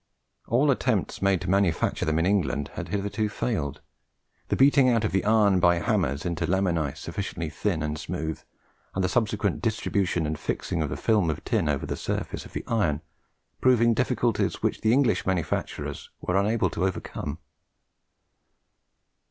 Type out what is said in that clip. All attempts made to manufacture them in England had hitherto failed; the beating out of the iron by hammers into laminae sufficiently thin and smooth, and the subsequent distribution and fixing of the film of tin over the surface of the iron, proving difficulties which the English manufacturers were unable to overcome.